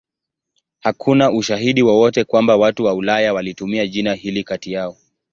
Hakuna ushahidi wowote kwamba watu wa Ulaya walitumia jina hili kati yao.